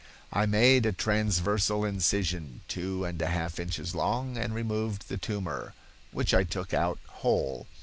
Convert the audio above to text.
"I made a transversal incision two and a half inches long and removed the tumor, which I took out whole.